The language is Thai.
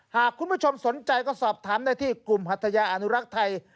หากคุณผู้ชมสนใจก็สอบถามได้ที่กลุ่มหัทยาอนุรักษ์ไทย